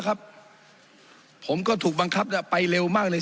ผมก็ถูกบังคับไปเร็วมากเลย